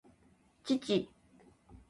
父